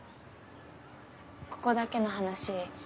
ここだけの話